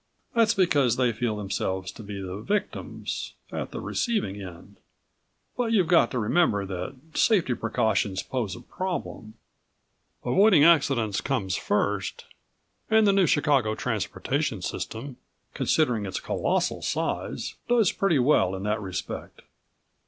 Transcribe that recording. That's because they feel themselves to be the victims, at the receiving end. But you've got to remember that safety precautions pose a problem. Avoiding accidents comes first and the New Chicago Transportation System, considering its colossal size, does pretty well in that respect."